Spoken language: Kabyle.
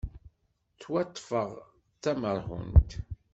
Ttwaṭṭfeɣ d tamerhunt.